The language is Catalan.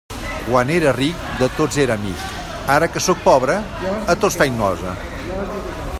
Quan era ric, de tots era amic; ara que sóc pobre, a tots faig nosa.